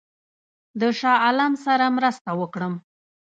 د شاه عالم سره مرسته وکړم.